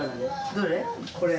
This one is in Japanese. どれ？